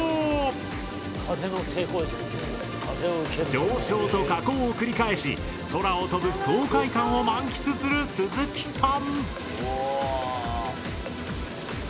上昇と下降を繰り返し空を飛ぶ爽快感を満喫する鈴木さん。